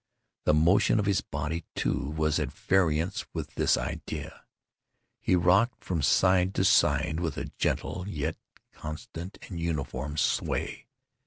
The motion of his body, too, was at variance with this idea—for he rocked from side to side with a gentle yet constant and uniform sway.